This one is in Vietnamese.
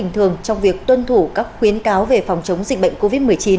phòng chống dịch covid một mươi chín